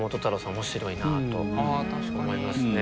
面白いなと思いますね。